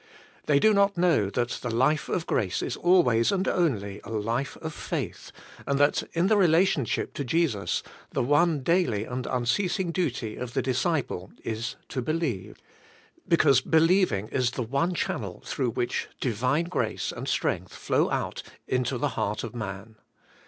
They know not that the life of grace is always and only a life of faith, and that in the relationship to Jesus the one daily and unceasing duty of the disciple is to believe, because believing is the one channel through which Divine grace and strength flow out into the heart of man.